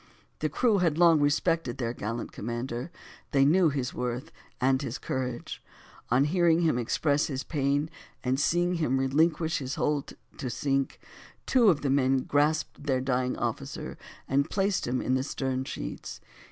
The crew had long respected their gallant commander; they knew his worth and his courage: on hearing him express his pain, and seeing him relinquish his hold to sink, two of the men grasped their dying officer, and placed him in the stern sheets.